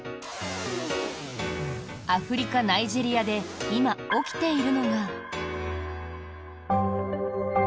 アフリカ・ナイジェリアで今、起きているのが。